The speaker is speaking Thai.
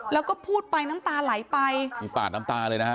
แล้วก็พูดไปน้ำตาไหลไปคือปาดน้ำตาเลยนะฮะ